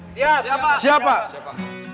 siap siap pak